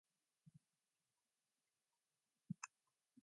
Long live communism!